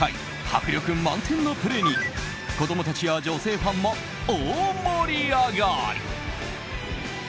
迫力満点のプレーに子供たちや、女性ファンも大盛り上がり！